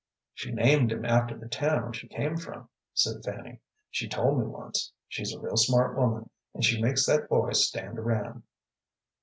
"She named him after the town she came from," said Fanny. "She told me once. She's a real smart woman, and she makes that boy stand around."